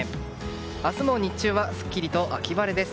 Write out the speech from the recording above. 明日も日中はすっきりと秋晴れです。